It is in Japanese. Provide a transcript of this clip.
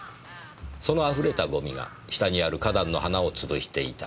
「そのあふれたゴミが下にある花壇の花を潰していた」